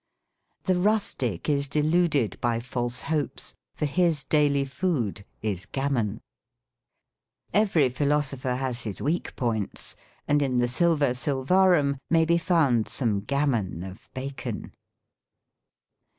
"The rustic is deluded by false hopes, ybr his daily food is gammon." Every philosopher has his weak points, and in the Sylva Sylvarum may be found some gammon of Bacon.